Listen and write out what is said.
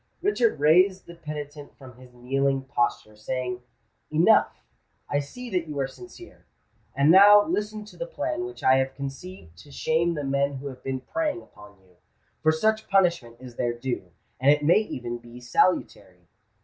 Richard raised the penitent from his kneeling posture, saying, "Enough! I see that you are sincere. And now listen to the plan which I have conceived to shame the men who have been preying upon you; for such punishment is their due—and it may even be salutary."